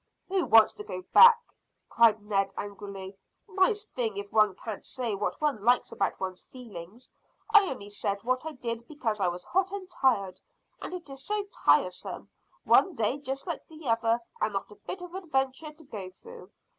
"Who wants to go back?" cried Ned angrily. "Nice thing if one can't say what one likes about one's feelings! I only said what I did because I was hot and tired, and it is so tiresome, one day just like another, and not a bit of adventure to go through.